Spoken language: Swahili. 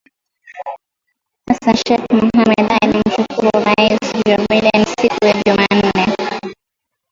Hassan Sheikh Mohamud alimshukuru Rais Joe Biden siku ya Jumanne.